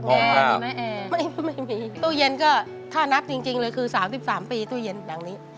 แอร์มีไหมแอร์ไม่มีตู้เย็นก็ถ้านับจริงเลยคือ๓๓ปีตู้เย็นแบบนี้